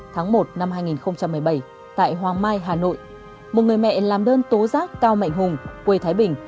tháng một năm hai nghìn một mươi bảy tại hoàng mai hà nội một người mẹ làm đơn tố giác cao mạnh hùng quê thái bình